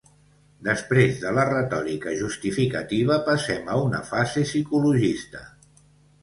Després de la retòrica justificativa, passem a una fase psicologista.